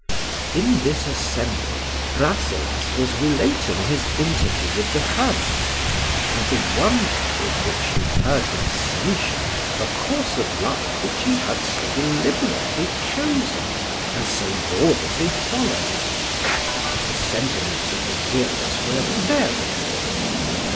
In this assembly Rasselas was relating his interview with the hermit, and the wonder with which he heard him censure a course of life which he had so deliberately chosen and so laudably followed. The sentiments of the hearers were various.